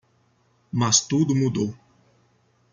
Mas tudo mudou.